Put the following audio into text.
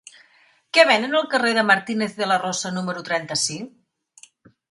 Què venen al carrer de Martínez de la Rosa número trenta-cinc?